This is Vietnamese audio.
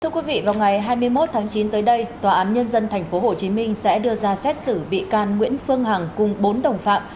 thưa quý vị vào ngày hai mươi một tháng chín tới đây tòa án nhân dân tp hcm sẽ đưa ra xét xử bị can nguyễn phương hằng cùng bốn đồng phạm